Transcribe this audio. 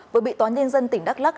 với bị tòa nhân dân tỉnh đắk lắc